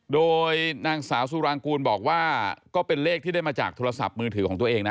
โดยนางสาวสุรางกูลบอกว่าก็เป็นเลขที่ได้มาจากโทรศัพท์มือถือของตัวเองนะ